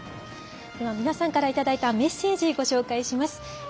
皆さんからいただいたメッセージご紹介します。